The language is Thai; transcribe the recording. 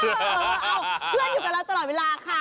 เออเอาเพื่อนอยู่กับเราตลอดเวลาค่ะ